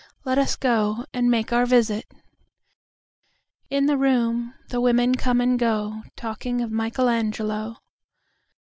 Let us go and make our visit.In the room the women come and goTalking of Michelangelo.